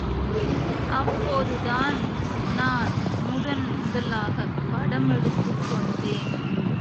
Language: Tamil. அப்போதுதான் நான் முதன் முதலாகப் படமெடுத்துக் கொண்டேன்.